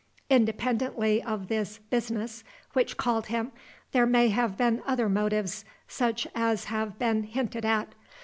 Independently of this "business" which called him, there may have been other motives, such as have been hinted at.